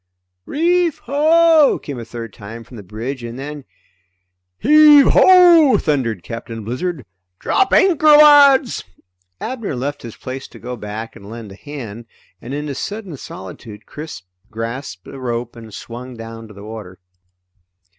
_" "Reef ho!" came a third time from the bridge, and then "Heave ho!" thundered Captain Blizzard. "Drop anchor, lads!" Abner left his place to go back and lend a hand, and in his sudden solitude Chris grasped a rope and swung down to the water.